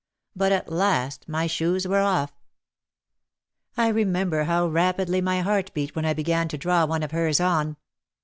But at last my shoes were off. I remember how rapidly my heart beat when I began to draw one of hers on.